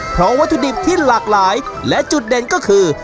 เพราะวัตถุดิบที่หลากหลายและจุดเด่นก็คือ